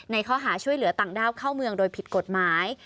ข้อหาช่วยเหลือต่างด้าวเข้าเมืองโดยผิดกฎหมาย